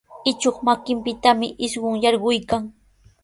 Ichuq makinpitami isquy yarquykan.